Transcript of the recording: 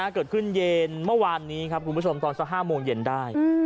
เกิดขึ้นเย็นเมื่อวานนี้ครับคุณผู้ชมตอนสัก๕โมงเย็นได้